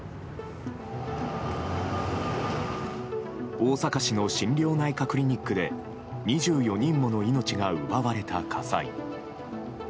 大阪市の心療内科クリニックで２４人もの命が奪われた火災。